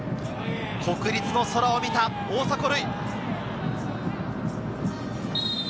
国立の空を見た大迫塁。